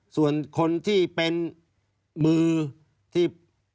ส่วนคนที่เป็นมือที่